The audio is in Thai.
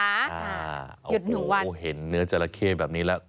หยุดถึงวันโอ้โฮเห็นเนื้อจราเข้แบบนี้แล้ว